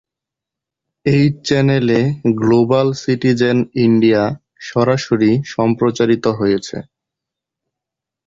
এই চ্যানেলে "global citizen India" সরাসরি সম্প্রচারিত হয়েছে।